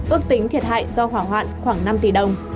ước tính thiệt hại do hỏa hoạn khoảng năm tỷ đồng